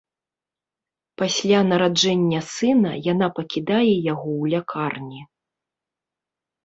Пасля нараджэння сына яна пакідае яго ў лякарні.